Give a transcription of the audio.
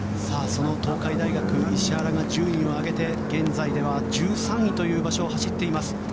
その東海大学石原が順位を上げて現在では１３位という場所を走っています。